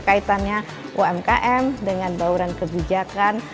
kaitannya umkm dengan bauran kebijakan